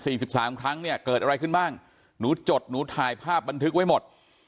สิบสามครั้งเนี่ยเกิดอะไรขึ้นบ้างหนูจดหนูถ่ายภาพบันทึกไว้หมด